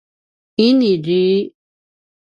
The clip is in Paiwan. ini dri